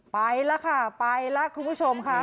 ไปแล้วค่ะไปแล้วคุณผู้ชมค่ะ